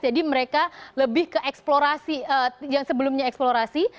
jadi mereka lebih ke eksplorasi yang sebelumnya eksplorasi